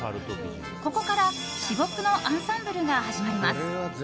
ここから至極のアンサンブルが始まります。